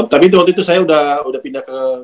tapi waktu itu saya udah pindah ke indonesia